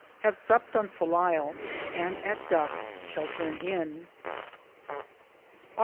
Have supped on sallal ; and at dusk shall turn in. Aug.